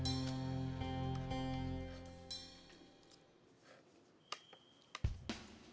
lo gak liat nih loh yang gua lagi makan